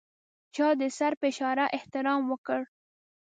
چا د سر په اشاره احترام وکړ.